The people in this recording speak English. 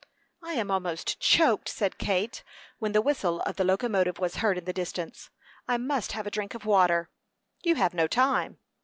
"I am almost choked," said Kate, when the whistle of the locomotive was heard in the distance. "I must have a drink of water." "You have no time."